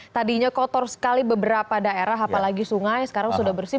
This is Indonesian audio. tadinya kotor sekali beberapa daerah apalagi sungai sekarang sudah bersih